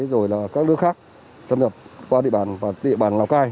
rồi các đứa khác thâm nhập qua địa bàn lào cai